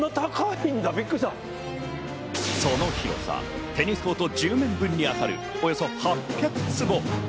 その広さ、テニスコート１０面分に当たるおよそ８００坪。